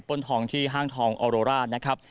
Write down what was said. ป้นทองที่ห้างทรงออโรล่าฯ